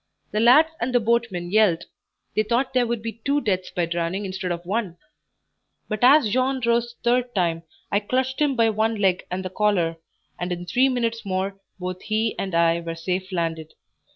The lads and the boatmen yelled; they thought there would be two deaths by drowning instead of one; but as Jean rose the third time, I clutched him by one leg and the collar, and in three minutes more both he and I were safe landed.